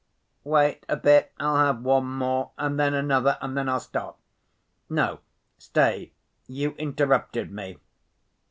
"Wait a bit. I'll have one more, and then another, and then I'll stop. No, stay, you interrupted me.